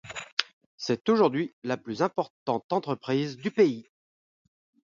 C'est aujourd'hui la plus importante entreprise du pays.